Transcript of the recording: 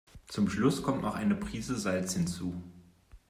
Zum Schluss kommt noch eine Prise Salz hinzu.